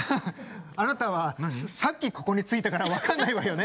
あなたはさっきここに着いたから分かんないわよね。